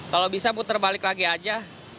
kalau bisa puter balik lagi aja